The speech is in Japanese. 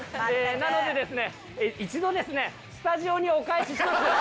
なのでですね一度スタジオにお返しします。